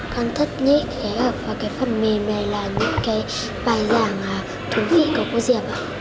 khăn thất nhị kế hợp và cái phần mềm này là những cái bài giảng thú vị của cô diệp ạ